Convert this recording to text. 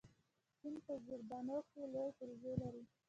چین په زیربناوو کې لوی پروژې لري.